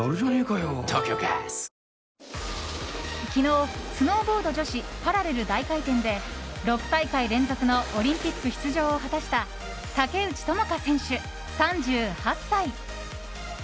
昨日、スノーボード女子パラレル大回転で６大会連続のオリンピック出場を果たした竹内智香選手、３８歳。